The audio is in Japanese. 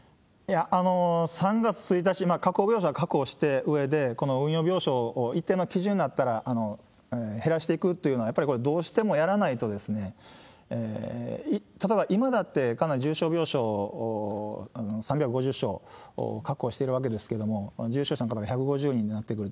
３月１日、確保病床は確保したうえで、この運用病床を一定の基準になったら減らしていくというのは、やっぱりこれ、どうしてもやらないと、例えば今だってかなり重症病床、３５０床確保しているわけですけれども、重症者の方１５０人になってくる。